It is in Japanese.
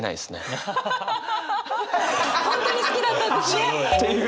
本当に好きだったんですね。という。